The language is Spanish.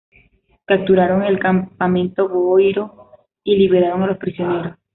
Capturaron el Campamento Boiro y liberaron a los prisioneros.